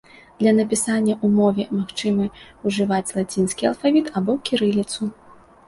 Для напісання ў мове магчыма ўжываць лацінскі алфавіт або кірыліцу.